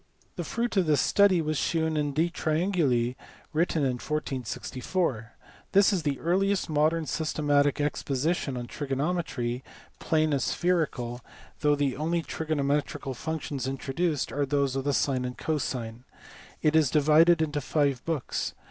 The fruit of this study was shewn in his De Triangulis written in 1464. This is the earliest modern systematic exposition of trigonometry, plane and spherical, though the only trigonometrical functions introduced are those of the sine and cosine. It is divided into five books.